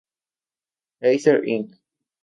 Acer Inc.